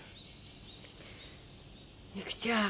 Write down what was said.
育ちゃん。